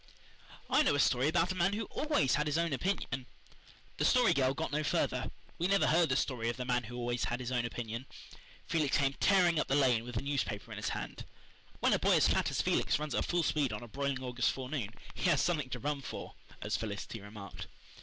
"I know a story about a man who always had his own opinion " The Story Girl got no further. We never heard the story of the man who always had his own opinion. Felix came tearing up the lane, with a newspaper in his hand. When a boy as fat as Felix runs at full speed on a broiling August forenoon, he has something to run for as Felicity remarked.